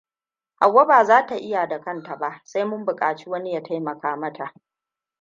Hauwa baza ta iya da kanta ba, sai mun bukaci wani ya taimaka mata.